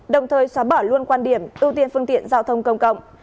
đồng thời xóa bỏ luôn quan điểm ưu tiên phương tiện giao thông công cộng